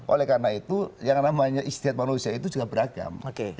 oleh karena itu yang namanya istiad manusia itu juga beragam